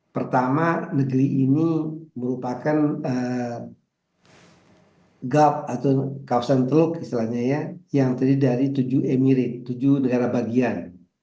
pertama negeri ini merupakan gap atau kawasan teluk istilahnya ya yang terdiri dari tujuh emirat tujuh negara bagian